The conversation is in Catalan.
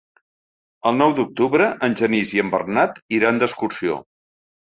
El nou d'octubre en Genís i en Bernat iran d'excursió.